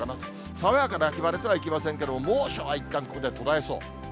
爽やかな秋晴れとはいきませんけども、猛暑はいったん、ここで途絶えそう。